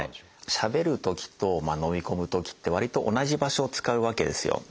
しゃべるときとのみ込むときってわりと同じ場所を使うわけですよ。